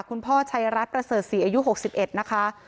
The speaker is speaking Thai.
คุณพ่อชัยรัฐประเสริฐศรีอายุ๖๑นะคะ